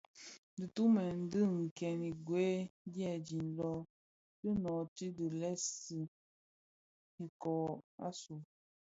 Dhitumèn di dhi kèn gwed dyèdin lō, ti nooti dhi lèèsi itoki asu.